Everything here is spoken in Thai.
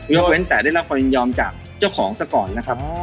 เว้นแต่ได้รับความยินยอมจากเจ้าของซะก่อนนะครับ